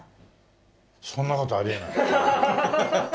そんな事あり得ない。